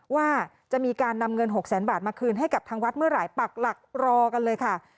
ว่าจะมีการนำเงินหกแสนบาทมาคืนให้กับทางวัดเมื่อไหร่ปักหลักรอกันเลยค่ะ